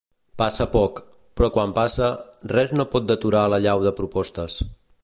Passa poc, però quan passa res no pot deturar l'allau de noves propostes.